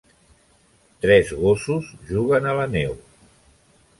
Tres gossos juguen a la neu